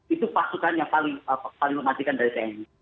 itu pasukan yang paling mematikan dari tni